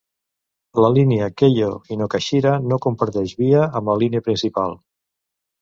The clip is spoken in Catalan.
La línia Keio Inokashira no comparteix via amb la línia principal.